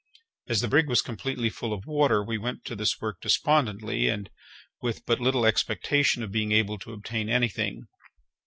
As the brig was completely full of water, we went to this work despondently, and with but little expectation of being able to obtain anything.